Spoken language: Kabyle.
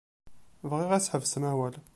Bɣiɣ ad tḥebsem awal.